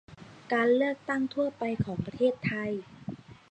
การเลือกตั้งทั่วไปของประเทศไทย